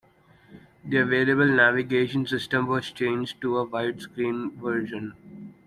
The available navigation system was changed to a wide screen version.